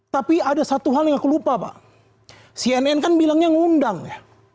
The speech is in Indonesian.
tapi ada satu hal yang aku lupa pak cnn kan bilangnya ngundang ya